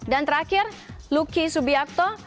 dan terakhir luky subiakto